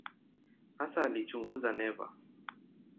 Hasa alichunguza neva.